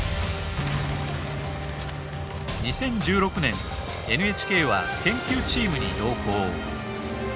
２０１６年ＮＨＫは研究チームに同行。